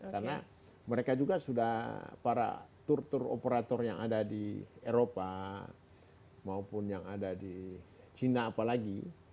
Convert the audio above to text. karena mereka juga sudah para tur tur operator yang ada di eropa maupun yang ada di cina apalagi